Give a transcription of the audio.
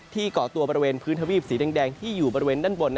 เกาะตัวบริเวณพื้นทวีปสีแดงที่อยู่บริเวณด้านบน